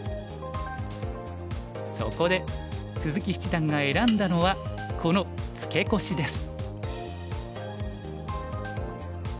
そこで鈴木七段が選んだのはこのツケコシです。